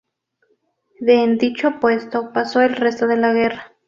En dicho puesto pasó el resto de la guerra.